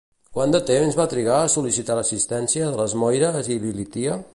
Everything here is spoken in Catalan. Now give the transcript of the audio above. Quant de temps va trigar a sol·licitar l'assistència de les Moires i d'Ilitia?